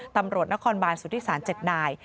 ตำรวจนครบานสุธิศาล๗นาย